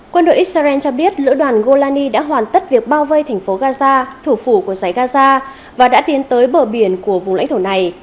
quân đội israel cho biết lữ đoàn golani đã hoàn tất việc bao vây thành phố gaza thủ phủ của giải gaza và đã tiến tới bờ biển của vùng lãnh thổ này